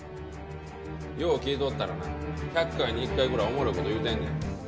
よう聞いとったらな１００回に１回ぐらいおもろい事言うてんねん。